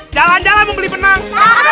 jalan jalan mau beli penang